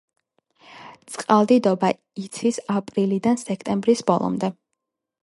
წყალდიდობა იცის აპრილიდან სექტემბრის ბოლომდე.